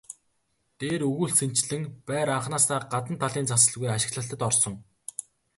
Дээр өгүүлсэнчлэн байр анхнаасаа гадна талын засалгүй ашиглалтад орсон.